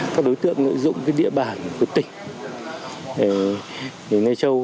các đối tượng lợi dụng địa bàn của tỉnh lai châu